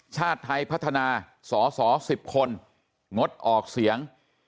ชาติไทยพัฒนาสอสอ๑๐คนงดออกเสียง